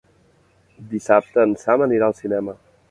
Dissabte en Sam anirà al cinema.